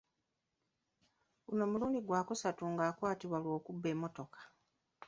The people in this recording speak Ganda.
Guno mulundi gwa kusatu ng'akwatibwa olw'okubba emmotoka.